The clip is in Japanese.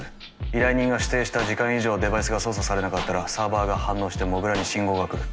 依頼人が指定した時間以上デバイスが操作されなかったらサーバーが反応してモグラに信号が来る。